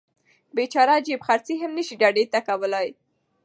بیچاره جیب خرڅي هم نشي ډډې ته کولی.